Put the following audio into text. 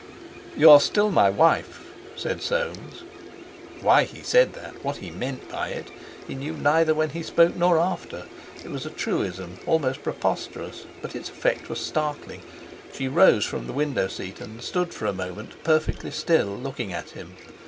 "You are still my wife," said Soames. Why he said that, what he meant by it, he knew neither when he spoke nor after. It was a truism almost preposterous, but its effect was startling. She rose from the window seat, and stood for a moment perfectly still, looking at him.